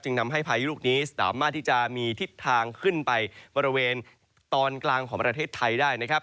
ทำให้พายุลูกนี้สามารถที่จะมีทิศทางขึ้นไปบริเวณตอนกลางของประเทศไทยได้นะครับ